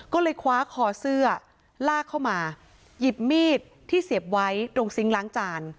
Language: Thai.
ก็เลยคว้าคอเสื้อลากเข้ามาหยิบมีดที่เสียบไว้ตรงซิงค์ล้างจาน